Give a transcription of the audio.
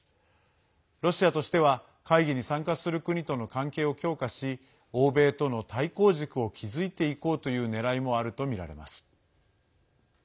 ロシアとしては会議に参加する国との関係を強化し欧米との対抗軸を築いていこうというねらいもあるとみられます。